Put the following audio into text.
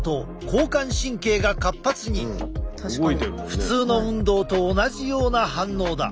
普通の運動と同じような反応だ。